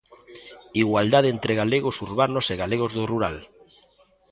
Igualdade entre galegos urbanos e galegos do rural.